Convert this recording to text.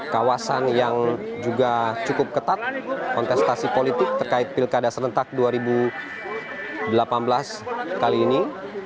kawasan yang juga cukup ketat kontestasi politik terkait pilkada serentak dua ribu delapan belas kali ini